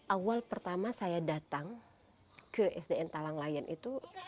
awal pertama saya datang ke sdn talanglayan itu